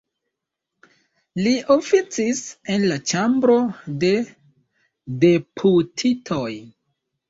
Li oficis en la Ĉambro de Deputitoj.